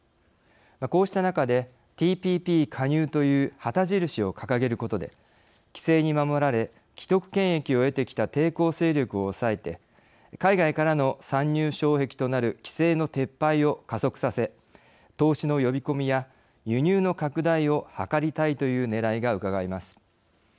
こうした中でＴＰＰ加入という旗印を掲げることで規制に守られ既得権益を得てきた抵抗勢力を抑えて海外からの参入障壁となる規制の撤廃を加速させ投資の呼び込みや輸入の拡大を図りたいというねらいがうかがえます。